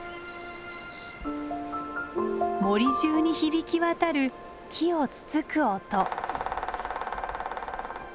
森中に響き渡る木をつつく音。